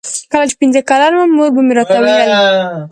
کله چې پنځه کلن وم مور به مې راته ویل.